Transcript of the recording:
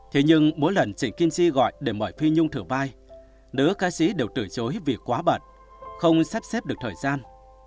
thế nhưng mỗi lần chỉnh kim si gọi để mở phi nhung thử vai nữ ca sĩ đều từ chối vì quá bận không sắp xếp được thời gian